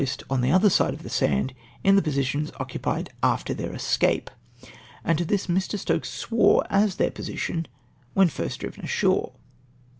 25 on the other side of the sand, in the positions occupied after their escaipe ! and to this Mr. Stokes swore as their position when Jirst driven ashore